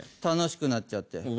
楽しくなっちゃって。